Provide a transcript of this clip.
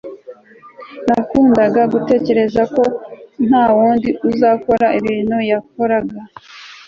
nakundaga gutekereza ko ntawundi uzakora ibintu yakoraga